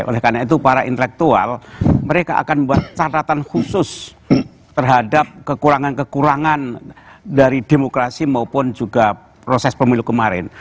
oleh karena itu para intelektual mereka akan membuat catatan khusus terhadap kekurangan kekurangan dari demokrasi maupun juga proses pemilu kemarin